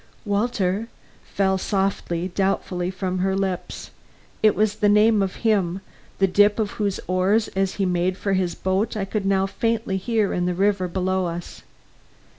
"Walter!" fell softly, doubtfully from her lips. It was the name of him the dip of whose oars as he made for his boat I could now faintly hear in the river below us.